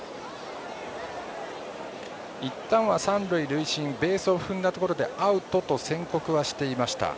いったんは三塁塁審ベースを踏んだところでアウトと宣告していました。